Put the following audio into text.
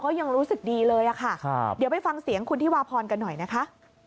ยังรู้สึกดีเลยอะค่ะเดี๋ยวไปฟังเสียงคุณธิวาพรกันหน่อยนะคะ